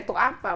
tôi áp vào